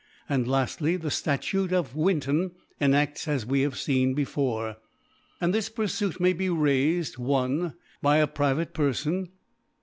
* And laftly, the Statute of IVinton enads as we have fecn before. And this Purfuit may be raifed, i. By a private Perfon.